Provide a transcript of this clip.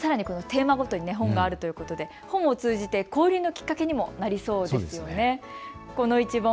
さらにこのテーマごとに本があるということで本を通じて交流のきっかけにもなりそうですよね。